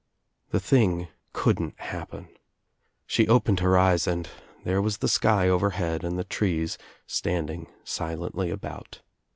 ^P The thing couldn't happen. She opened her eyes and there was the sky overhead and the trees standing silently about.